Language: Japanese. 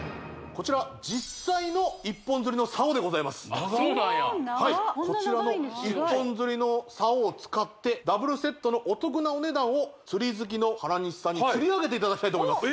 こちら実際の一本釣りの竿でございますこちらの一本釣りの竿を使ってダブルセットのお得なお値段を釣り好きの原西さんに釣りあげていただきたいと思います